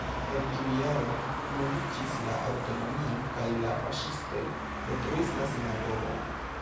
En tiu jaro nuliĝis la aŭtonomio kaj la faŝistoj detruis la sinagogon.